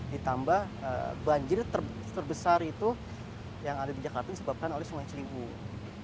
ditambah banjir terbesar itu yang ada di jakarta disebabkan oleh sungai ciliwung